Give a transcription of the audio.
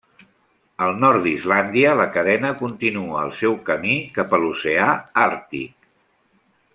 Al nord d'Islàndia, la cadena continua el seu camí cap a l'oceà Àrtic.